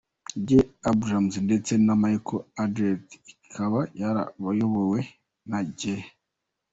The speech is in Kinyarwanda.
J Abrams ndetse na Michael Arndt, ikaba yarayobowe na J.